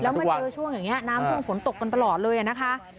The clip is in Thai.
แล้วมาเจอช่วงอย่างนี้น้ำท่วมฝนตกกันตลอดเลยนะคะ